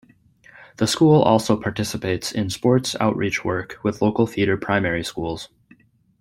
The school also participates in sports outreach work with local feeder primary schools.